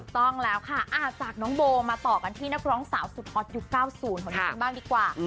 ต้องแล้วค่ะจากน้องโบมาต่อกันที่นักร้องสาวสุดฮอตยุค๙๐คนนี้กันบ้างดีกว่า